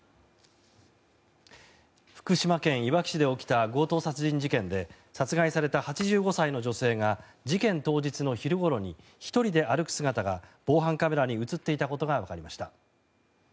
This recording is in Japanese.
福島県いわき市で起きた強盗殺人事件で殺害された８５歳の女性が事件当日の昼ごろに１人で歩く姿が防犯カメラに映っていたことがわかりました。